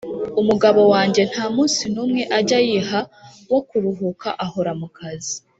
umugabo wanjye nta munsi n’umwe ajya yiha wo kuruhuka ahora mu kazi,